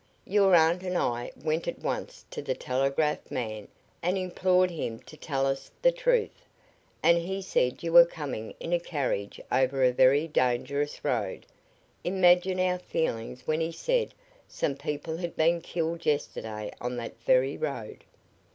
Your aunt and I went at once to the telegraph man and implored him to tell us the truth, and he said you were coming in a carriage over a very dangerous road. Imagine our feelings when he said some people had been killed yesterday on that very road.